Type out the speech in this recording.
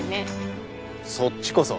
そっちこそ。